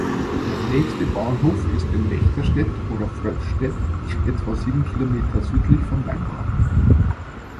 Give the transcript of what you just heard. Der nächste Bahnhof ist in Mechterstädt oder Fröttstädt etwa sieben Kilometer südlich von Weingarten.